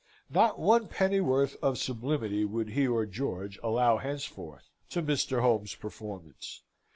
Not one pennyworth of sublimity would he or George allow henceforth to Mr. Home's performance.